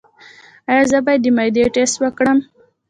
ایا زه باید د معدې ټسټ وکړم؟